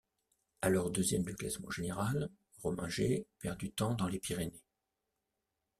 Alors deuxième du classement général, Rominger perd du temps dans les Pyrénées.